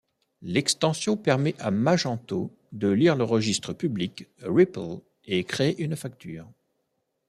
L'extension permet à Magento de lire le registre public Ripple et créer une facture.